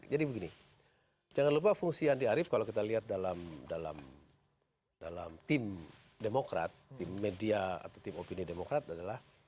jadi begini jangan lupa fungsi andi arief kalau kita lihat dalam tim demokrat tim media atau tim opini demokrat adalah